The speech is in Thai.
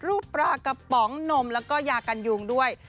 ปลากระป๋องนมแล้วก็ยากันยุงด้วย